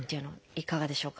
いかがでしょうか？